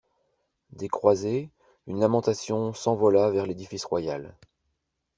Des croisées, une lamentation s'envola vers l'édifice royal.